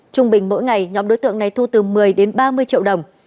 trung bình mỗi ngày nhóm đối tượng này thu từ một mươi đến ba mươi triệu đồng